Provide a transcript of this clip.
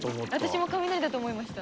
私も雷だと思いました。